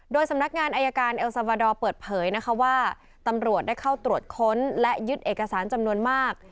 โดยสำนักงานอายการเอลซาบาดอร์เปิดเผยนะคะว่าตำรวจได้เข้าตรวจค้นและยึดเอกสารจำนวนมาก